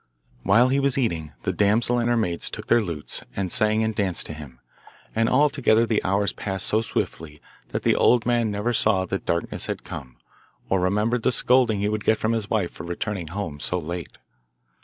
While he was eating, the damsel and her maids took their lutes, and sang and danced to him, and altogether the hours passed so swiftly that the old man never saw that darkness had come, or remembered the scolding he would get from his wife for returning home so late.